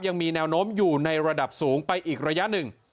ยังมีแนวโน้มอยู่ในระดับสูงไปอีกระยะหนึ่ง